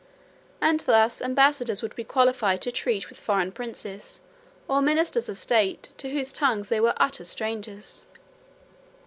And thus ambassadors would be qualified to treat with foreign princes, or ministers of state, to whose tongues they were utter strangers.